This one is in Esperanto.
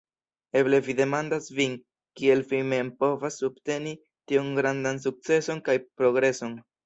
Eble vi demandas vin, kiel vi mem povas subteni tiun grandan sukceson kaj progreson.